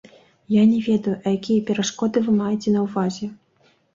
Я не ведаю, а якія перашкоды вы маеце на ўвазе?